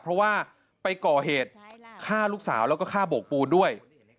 เพราะว่าไปก่อเหตุฆ่าลูกสาวแล้วก็ฆ่าโบกปูนด้วย